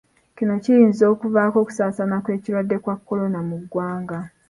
Kino kiyinza okuvaako okusaasaana kw'ekirwadde kya Kolona mu ggwanga.